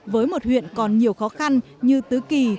với một huyện còn nhiều khó khăn như tứ kỳ